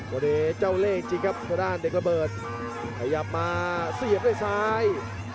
มาเลยครับโอ้โหเด็กระเบิดพยายามมาเสียบด้วยซ้าย